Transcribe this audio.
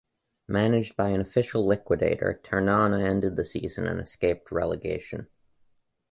Managed by an official liquidator, Ternana ended the season and escaped relegation.